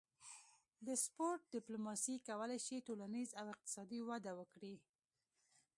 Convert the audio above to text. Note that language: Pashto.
د سپورت ډیپلوماسي کولی شي ټولنیز او اقتصادي وده وکړي